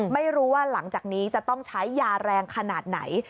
ไม่รู้ว่าหลังจากนี้จะต้องใช้ยาแรงขนาดไหน